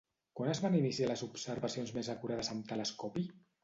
Quan es van iniciar les observacions més acurades amb telescopi?